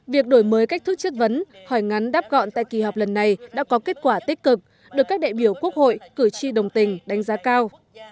việc đổi mới cách thức chất vấn hỏi ngắn đáp gọn tại kỳ họp lần này đã có kết quả tích cực được các đại biểu quốc hội cử tri đồng tình đánh giá cao